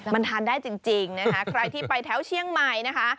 มันทานได้จริงนะคะใครที่ไปแถวเชียงใหม่นะคะ